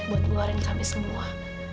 dia ingat buat ngeluarin kami semua